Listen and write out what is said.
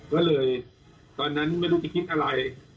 ก็เลยตอนนั้นไม่รู้จะคิดอะไร